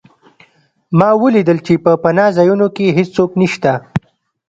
ما ولیدل چې په پناه ځایونو کې هېڅوک نشته